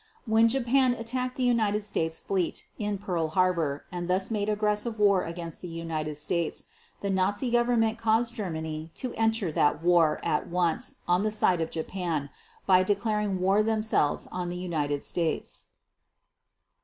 And when Japan attacked the United States fleet in Pearl Harbor and thus made aggressive war against the United States, the Nazi Government caused Germany to enter that war at once on the side of Japan by declaring war themselves on the United States.